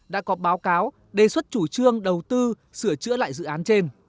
đã có báo cáo đề xuất chủ trương đầu tư sửa chữa lại dự án trên